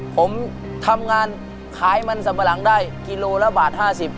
ผมทำงานขายมันสำหรังได้กิโลละบาท๕๐